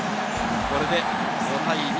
これで５対２。